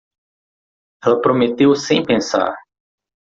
Ela prometeu sem pensar